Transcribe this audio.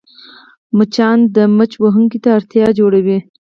مچان د مچ وهونکي ته اړتیا جوړوي